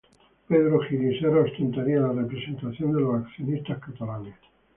Pedro Gil y Serra ostentaría la representación de los accionistas catalanes.